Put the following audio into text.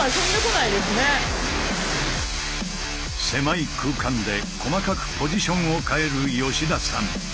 狭い空間で細かくポジションを変える吉田さん。